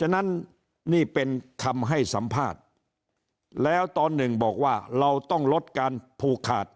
ฉะนั้นนี่เป็นคำให้สัมภาษณ์แล้วตอนหนึ่งบอกว่าเราต้องลดการผูกขาด